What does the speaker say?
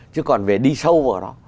chứ còn về đi sâu vào nó